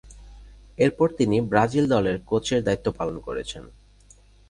এরপর তিনি ব্রাজিল দলের কোচের দায়িত্ব পালন করেছেন।